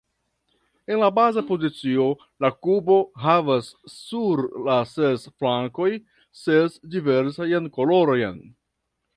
En la baza pozicio, la kubo havas sur la ses flankoj ses diversajn kolorojn.